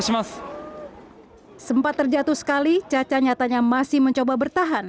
sempat terjatuh sekali caca nyatanya masih mencoba bertahan